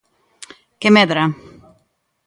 Que medra.